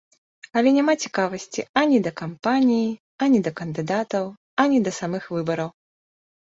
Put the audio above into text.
Але няма цікавасці ані да кампаніі, ані да кандыдатаў, ані да самых выбараў.